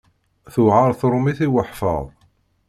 Tuɛeṛ tṛumit i weḥfaḍ.